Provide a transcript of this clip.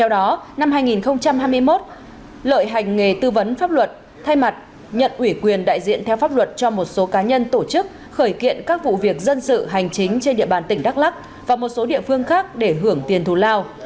lợi hành nghề tư vấn pháp luật thay mặt nhận ủy quyền đại diện theo pháp luật cho một số cá nhân tổ chức khởi kiện các vụ việc dân sự hành chính trên địa bàn tỉnh đắk lắc và một số địa phương khác để hưởng tiền thù lao